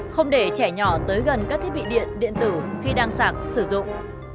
không để trẻ nhỏ tới gần các thiết bị điện điện tử khi đang sạc sử dụng